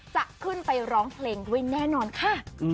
จะขึ้นไปร้องเพลงด้วยแน่นอนค่ะ